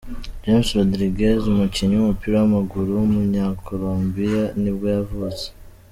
James Rodríguez, umukinnyi w’umupira w’amaguru w’umunyakolombiya nibwo yavutse.